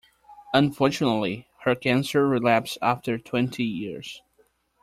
Unfortunately, her cancer relapsed after twenty years.